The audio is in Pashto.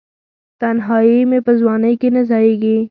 تنهایې مې په ځوانۍ کې نه ځائیږې